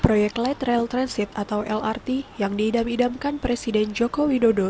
proyek light rail transit atau lrt yang diidam idamkan presiden joko widodo